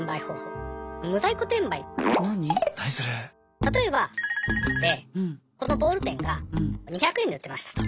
例えばでこのボールペンが２００円で売ってましたと。